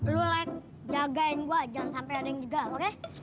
lo lek jagain gue jangan sampai ada yang jagal oke